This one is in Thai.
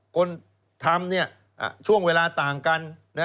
คนทำช่วงเวลาต่างกัน